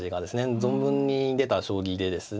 存分に出た将棋でですね